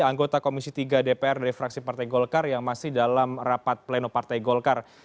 anggota komisi tiga dpr dari fraksi partai golkar yang masih dalam rapat pleno partai golkar